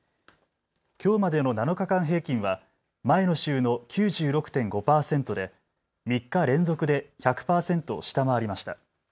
きょうまでの７日間平均は前の週の９６．５％で３日連続で１００％を下回りました。